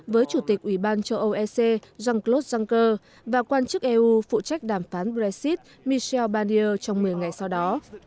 với chủ tịch ủy ban châu âu ec jean claude juncker và quan chức eu phụ trách đàm phán brexit michel barnier trong một mươi ngày sau đó